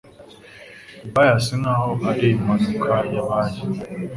bias nk'aho ari impanuka yabaye.